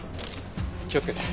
気をつけて。